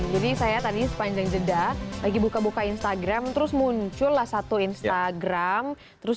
saya tadi sepanjang jeda lagi buka buka instagram terus muncullah satu instagram terus